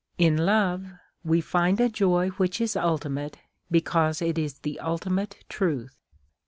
In love we find a joy which is ultimate because it is the ultimate truth.